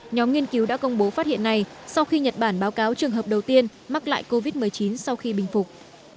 nhóm nghiên cứu đã công bố phát hiện này sau khi nhật bản báo cáo trường hợp đầu tiên mắc lại covid một mươi chín sau khi bình phục